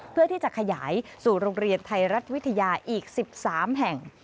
เพื่อที่จะขยายสู่โรงเรียนไทยรัฐวิทยาอีก๑๓แห่ง